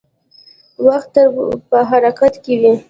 • وخت تل په حرکت کې وي.